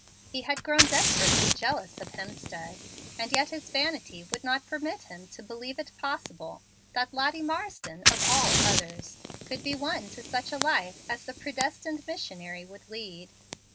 He had grown desperately jealous of Hemstead, and yet his vanity would not permit him to believe it possible that Lottie Marsden, of all others, could be won to such a life as the predestined missionary would lead.